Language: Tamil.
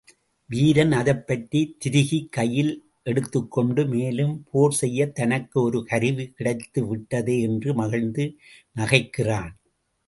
வீரன் அதைப்பற்றித் திருகிக் கையில் எடுத்துக்கொண்டு, மேலும் போர்செய்யத் தனக்கு ஒரு கருவி கிடைத்துவிட்டதே என்று மகிழ்ந்து நகைக்கிறான்.